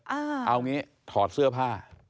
เอาอย่างนี้ถอดเสื้อผ้า